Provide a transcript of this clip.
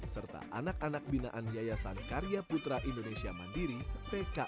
serta anak anak binaan yayasan karya putra indonesia mandiri pki